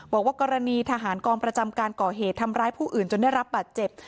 บอกว่ากรณีทหารกองประจำการก่อเหตุทำร้ายผู้อื่นจนได้รับบาดเจ็บ